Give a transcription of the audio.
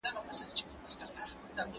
مجسمه په مېز باندې وه.